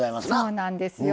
そうなんですよ。